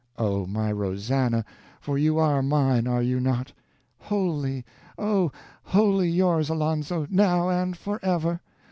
"Oh, my Rosannah! for you are mine, are you not?" "Wholly, oh, wholly yours, Alonzo, now and forever!